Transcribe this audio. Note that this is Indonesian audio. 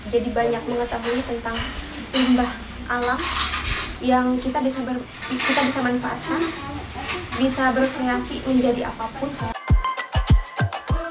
jadi banyak mengetahui tentang pembah alam yang kita bisa manfaatkan bisa berkreasi menjadi apapun